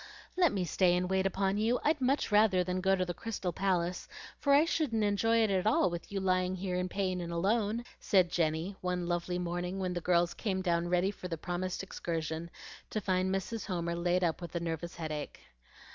"Let me stay and wait upon you; I'd much rather than go to the Crystal Palace, for I shouldn't enjoy it at all with you lying here in pain and alone," said Jenny one lovely morning when the girls came down ready for the promised excursion, to find Mrs. Homer laid up with a nervous headache.